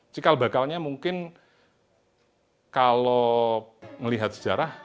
cikal bakalnya mungkin kalau melihat sejarah